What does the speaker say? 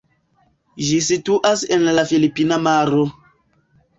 Ĝi situas en la filipina maro.